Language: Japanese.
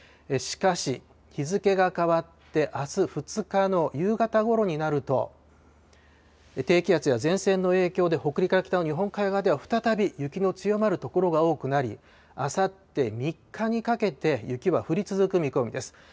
しかし、日付が変わって、あす２日の夕方ごろになると、低気圧や前線の影響で、北陸から北の日本海側では再び雪の強まる所が多くなり、あさって３日にかけて、雪は降り続く見込みです。